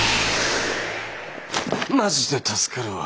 マジで助かるわ。